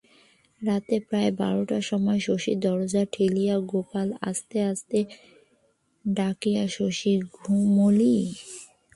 রাত প্রায় বারোটার সময় শশীর দরজা ঠেলিয়া গোপাল আস্তে আস্তে ডাকিল, শশী ঘুমোলি?